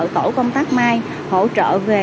tổ công tác mai hỗ trợ về